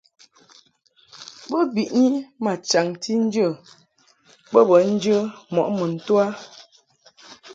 Bo biʼni ma chaŋti nje bo bə njə mɔʼ mun to a.